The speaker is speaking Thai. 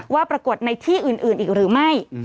ว่าปรากฏในที่อื่นอีกหรือไม่